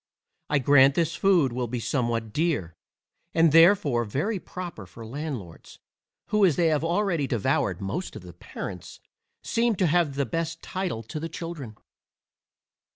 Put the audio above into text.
I grant this food will be somewhat dear, and therefore very proper for landlords, who, as they have already devoured most of the parents, seem to have the best title to the children.